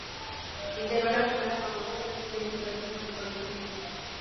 Integró la primera promoción de oficiales egresados del Colegio Militar.